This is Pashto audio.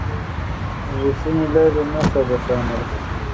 د سمې لارې نښه روښانه ده.